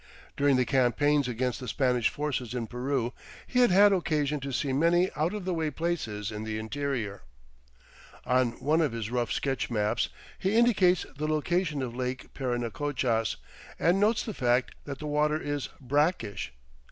During the campaigns against the Spanish forces in Peru he had had occasion to see many out of the way places in the interior. On one of his rough sketch maps he indicates the location of Lake Parinacochas and notes the fact that the water is "brackish."